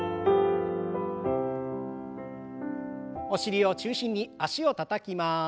お尻を中心に脚をたたきます。